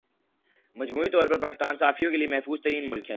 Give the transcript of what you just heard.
مجموعی طور پر پاکستان صحافیوں کے لئے محفوظ ترین ملک ہے